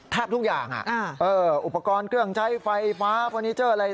แทบทุกอย่างอุปกรณ์เครื่องใช้ไฟฟ้าเฟอร์นิเจอร์อะไร